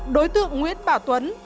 đối tượng nguyễn bảo tuấn